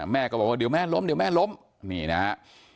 แม่ก็บอกว่าเดี๋ยวแม่ล้มเดี๋ยวแม่ล้มนี่นะฮะ